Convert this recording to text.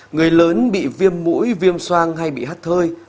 người lớn bị viêm mũi viêm soang hay bị hắt thơi